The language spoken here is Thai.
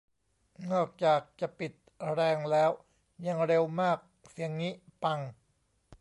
นอกจากจะปิดแรงแล้ว ยังเร็วมาก เสียงงี้ ปัง !